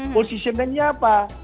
posisinya ini apa